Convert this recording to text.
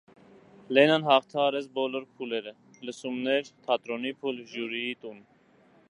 Լենան հաղթահարեց բոլոր փուլերը՝ լսումներ, թատրոնի փուլ, ժյուրիի տուն։